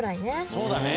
そうだね。